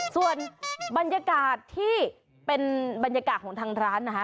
ส่วนบรรยากาศที่เป็นบรรยากาศของทางร้านนะคะ